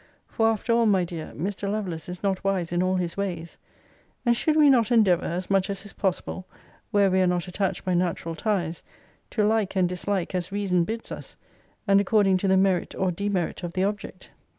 For, after all, my dear, Mr. Lovelace is not wise in all his ways. And should we not endeavour, as much as is possible, (where we are not attached by natural ties,) to like and dislike as reason bids us, and according to the merit or demerit of the object?